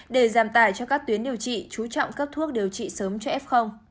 để giảm tài cho các tuyến điều trị chú trọng cấp thuốc điều trị sớm cho f